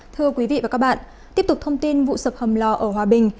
thưa quý vị và các bạn tiếp tục thông tin vụ sập hầm lò ở hòa bình